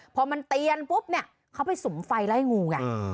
พอมันเตียนปุ๊บเขาไปสุ่มไฟไล่งู